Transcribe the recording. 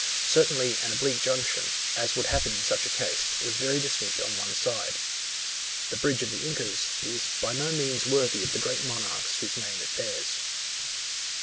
Certainly an oblique junction, as would happen in such a case, was very distinct on one side. The Bridge of the Incas is by no means worthy of the great monarchs whose name it bears.